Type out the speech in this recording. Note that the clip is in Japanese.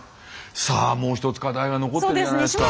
さあもう一つ課題が残ってるじゃないですか。